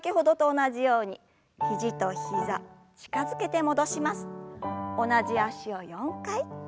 同じ脚を４回。